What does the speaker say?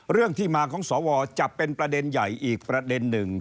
เรื่องที่มาของสวจะเป็นประเด็นใหญ่อีกประเด็นหนึ่ง